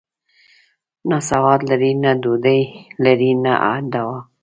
نه سواد لري، نه ډوډۍ لري او نه دوا.